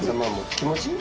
気持ちいい？